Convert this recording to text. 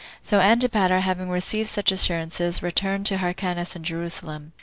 So Antipater having received such assurances, returned to Hyrcanus to Jerusalem.